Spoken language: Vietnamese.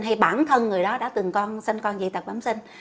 hay bản thân người đó đã từng sinh con dị tạc bám sinh